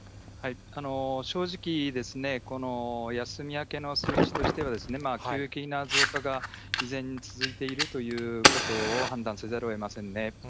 正直、この休み明けの数値としては急激な増加が依然、続いているということを判断せざるをえませんね。